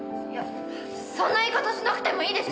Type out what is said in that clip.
そんな言い方しなくてもいいでしょ？